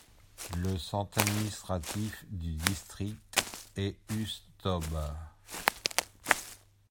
Le centre administratif du district est Ushtobe.